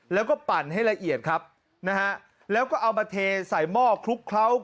แล้วก็ปั่นให้ละเอียดครับนะฮะแล้วก็เอามาเทใส่หม้อคลุกเคล้า